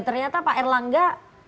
ternyata pak erlangga